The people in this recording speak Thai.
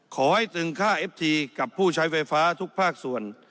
ขอให้ตึงค่าเอฟทีกับผู้ใช้ไฟฟ้าทุกภาคส่วน